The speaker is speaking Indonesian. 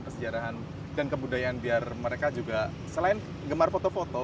kesejarahan dan kebudayaan biar mereka juga selain gemar foto foto